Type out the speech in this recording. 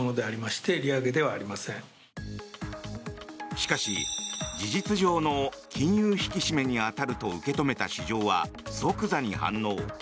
しかし事実上の金融引き締めに当たると受け止めた市場は即座に反応。